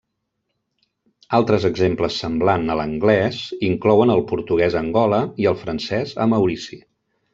Altres exemples semblant a l'anglès inclouen el portuguès a Angola i el francès a Maurici.